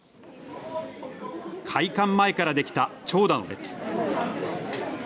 開館前からできた長蛇の列。